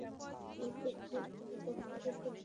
তুমি সত্যিই এটি সম্পর্কে শুনতে চাও।